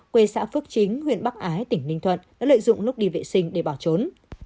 quê xã phước chính huyện bắc ái tỉnh ninh thuận đã lợi dụng lúc đi vệ sinh để bỏ trốn